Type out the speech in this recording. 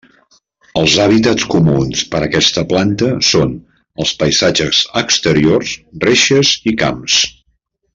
Els hàbitats comuns per a aquesta planta són els paisatges exteriors, reixes i camps.